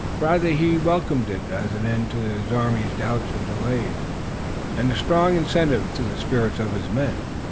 Rather he welcomed it as an end to his army's doubts and delays, and as a strong incentive to the spirits of the men.